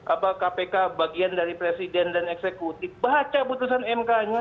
apa kpk bagian dari presiden dan eksekutif baca putusan mk nya